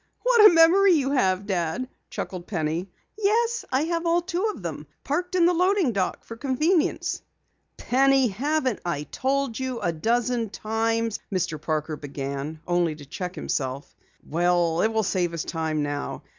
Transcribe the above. "What a memory you have, Dad!" chuckled Penny. "Yes, I have all two of them! Parked in the loading dock for convenience." "Penny, haven't I told you a dozen times " Mr. Parker began, only to check himself. "Well, it will save us time now.